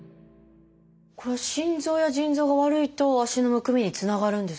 心臓や腎臓が悪いと足のむくみにつながるんですね。